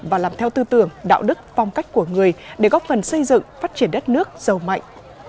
và làm theo tư tưởng đạo đức phong cách của người để góp phần xây dựng phát triển đất nước giàu mạnh